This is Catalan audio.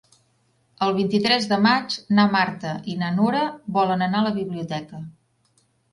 El vint-i-tres de maig na Marta i na Nura volen anar a la biblioteca.